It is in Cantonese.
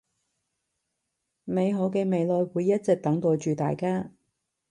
美好嘅未來會一直等待住大家